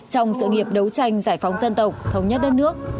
trong sự nghiệp đấu tranh giải phóng dân tộc thống nhất đất nước